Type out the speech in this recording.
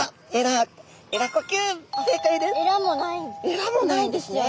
えらもないんですね。